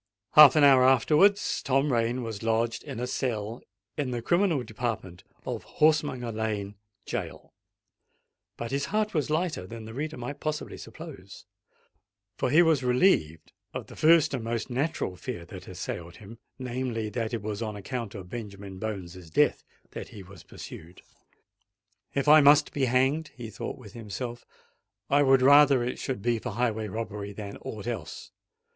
Half an hour afterwards Tom Rain was lodged in a cell in the criminal department of Horsemonger Lane Gaol;—but his heart was lighter than the reader might possibly suppose—for he was relieved of the first and most natural fear that had assailed him: namely, that it was on account of Benjamin Bones's death that he was pursued! "If I must be hanged," he thought within himself, "I would rather it should be for highway robbery than aught else!